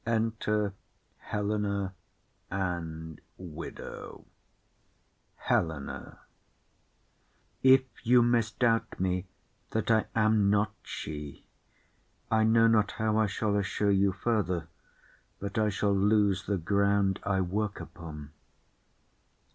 Enter Helena and Widow. HELENA. If you misdoubt me that I am not she, I know not how I shall assure you further, But I shall lose the grounds I work upon.